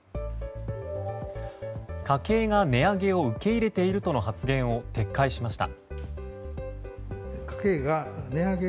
家計が値上げを受け入れているとの発言を撤回しました。